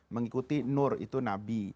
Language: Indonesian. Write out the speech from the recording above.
mengikuti nur itu nabi